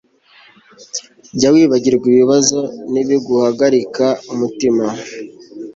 jya wibagirwa ibibazo nibiguhagarika umutima